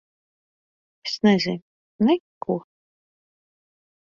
Es nezinu. Neko.